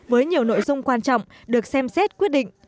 với nhiều nội dung quan trọng được xem xét quyết định